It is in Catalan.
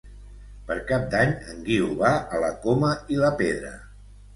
Per Cap d'Any en Guiu va a la Coma i la Pedra.